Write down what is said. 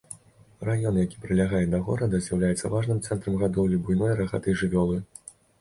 Раён, які прылягае да горада, з'яўляецца важным цэнтрам гадоўлі буйной рагатай жывёлы.